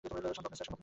সম্ভব না, স্যার।